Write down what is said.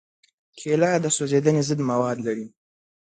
کېله د سوځېدنې ضد مواد لري.